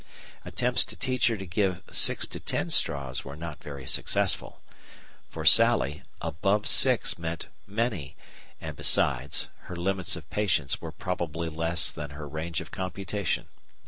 Attempts to teach her to give six to ten straws were not very successful. For Sally "above six" meant "many," and besides, her limits of patience were probably less than her range of computation.